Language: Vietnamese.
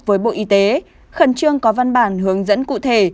với bộ y tế khẩn trương có văn bản hướng dẫn cụ thể